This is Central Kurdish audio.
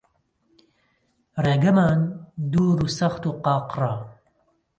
ڕێگەمان دوور و سەخت و قاقڕە